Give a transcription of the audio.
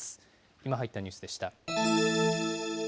今入ったニュースでした。